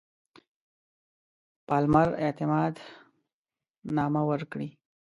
پالمر اعتماد نامه ورکړي.